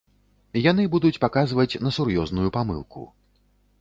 Яны будуць паказваць на сур'ёзную памылку.